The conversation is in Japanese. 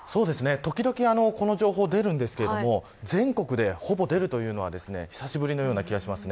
時々、この情報が出るんですが全国でほぼ出るというのは久しぶりのような気がしますね。